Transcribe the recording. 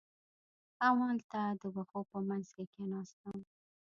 همالته د وښو په منځ کې کېناستم.